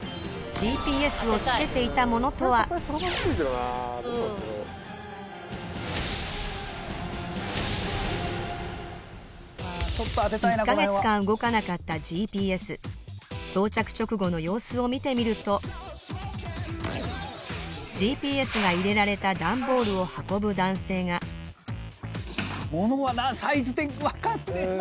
ＧＰＳをつけていたものとは１か月間動かなかったＧＰＳ到着直後の様子を見てみるとＧＰＳが入れられた段ボールを運ぶ男性が物はサイズ的に。分かんねぇな。